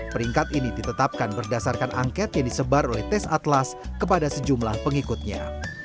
peringkat ini ditetapkan berdasarkan angket yang disebar oleh tes atlas kepada sejumlah pengikutnya